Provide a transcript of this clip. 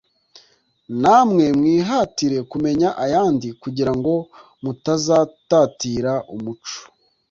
Namwe mwihatire kumenya ayandi kugira ngo mutazatatira umuco